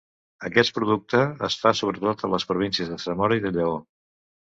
Aquest producte es fa sobretot a les províncies de Zamora i de Lleó.